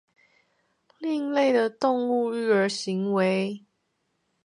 另類的動物育兒行為